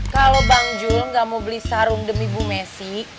kalau bang jul gak mau beli sarung demi bu messi